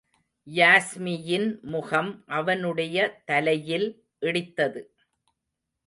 யாஸ்மியின் முகம் அவனுடைய தலையில் இடித்தது.